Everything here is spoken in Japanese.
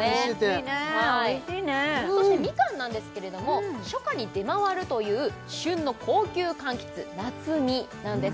いいねおいしいねみかんなんですけれども初夏に出回るという旬の高級かんきつ南津海なんです